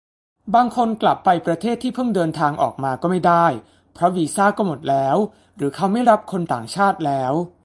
บางคนกลับไปประเทศที่เพิ่งเดินทางออกมาก็ไม่ได้ เพราะวีซ่าก็หมดแล้วหรือเขาไม่รับคนต่างชาติแล้ว